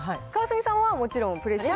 川澄さんはもちろんプレー？